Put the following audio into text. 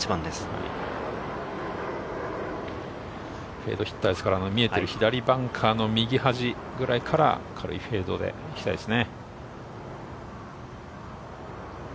フェードヒッターですから、見えている右バンカーの右端から軽いフェードで行きたいですね。